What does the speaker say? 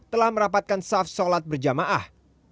telah merapatkan saf sholat berjamaah